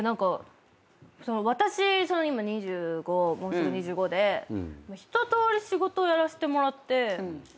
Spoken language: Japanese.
私今２５もうすぐ２５でひととおり仕事をやらせてもらって。